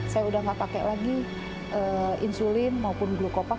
saya udah nggak pakai lagi insulin maupun glukopak